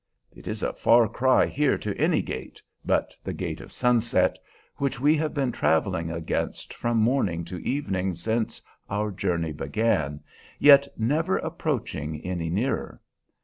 It is a far cry here to any gate but the gate of sunset, which we have been traveling against from morning to evening since our journey began, yet never approaching any nearer.